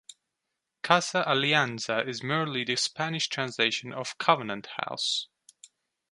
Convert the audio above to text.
"Casa Alianza" is merely the Spanish translation of "Covenant House".